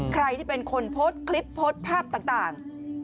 ใครที่เป็นคนโพสต์คลิปโพสต์ภาพต่าง